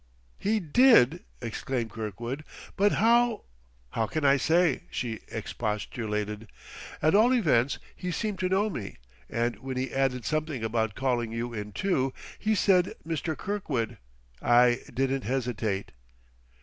"He did!" exclaimed Kirkwood. "But how ?" "How can I say?" she expostulated. "At all events, he seemed to know me; and when he added something about calling you in, too he said 'Mr. Kirkwood ' I didn't hesitate."